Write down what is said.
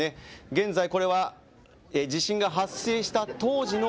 現在、これは地震が発生した当時の